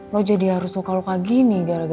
lo jadi harus suka luka gini gara gara gue